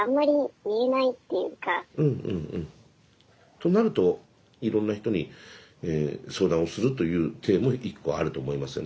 となるといろんな人に相談をするという体も１個あると思いますよね。